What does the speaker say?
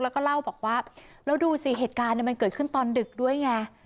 แล้วก็เล่าบอกว่าแล้วดูสิเหตุการณ์มันเกิดขึ้นตอนดึกด้วยไง